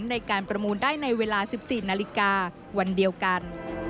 ในการประมูลได้ในเวลา๑๔นาฬิกาวันเดียวกัน